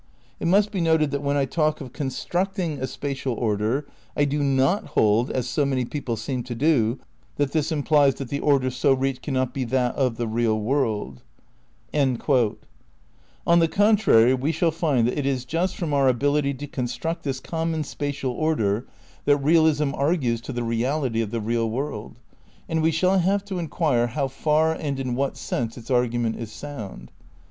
It must be noted that when I talk of 'constructing' a spatial order I do not hold, as so many people seem to do, that this implies that the order so reached cannot be that of the real world." ' On the contrary we shall find that it is just from our ability to construct this common spatial order that ^Perception, Physios (md Seality, p. 29. m THE CRITICAL PREPARATIONS 55 realism argues to the reality of the real world ; and we shall have to enquire how far and in what sense its argument is sound.